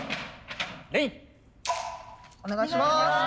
お願いします。